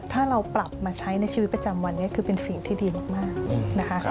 ถ้าเราปรับมาใช้ในชีวิตประจำวันนี้คือเป็นสิ่งที่ดีมากนะคะ